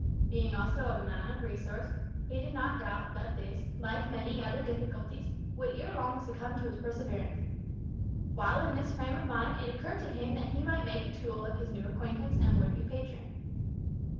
Being also a man of resource, he did not doubt that this, like many other difficulties, would ere long succumb to his perseverance. While in this frame of mind it occurred to him that he might make a tool of his new acquaintance and would be patron.